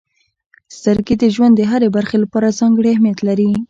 •سترګې د ژوند د هرې برخې لپاره ځانګړې اهمیت لري.